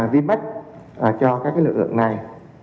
vinmec cho các lực lượng này